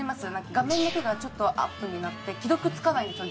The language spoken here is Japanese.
画面だけがちょっとアップになって既読つかないんですよ。